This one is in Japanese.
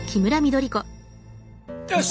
よし！